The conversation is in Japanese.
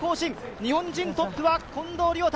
日本人トップは近藤亮太。